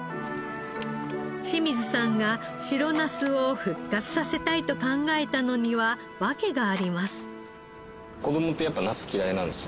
清水さんが白ナスを復活させたいと考えたのには訳があります。